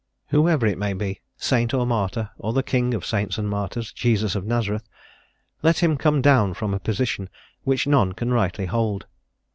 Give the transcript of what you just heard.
Whoever it may be, saint or martyr, or the king of saints and martyrs, Jesus of Nazareth, let him come down from a position which none can rightly hold.